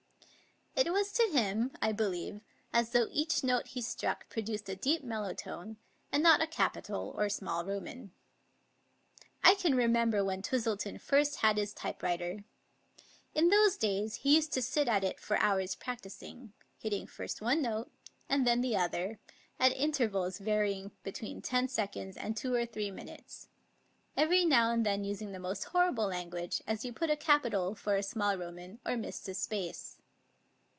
It was to him, I believe, as though each note he struck produced a deep mellow tone, and not a capital or small Roman. I can remember when Twistleton first had his typewriter. In those days he used to sit at it for hours prac ticing; hitting first one note and then the other, at intervals varying between ten seconds and two or three minutes, every now and then using the most horrible language, as he put a capital for a small Roman or missed a space.